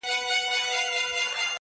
د جهاني عمر به وروسته نذرانه دروړمه!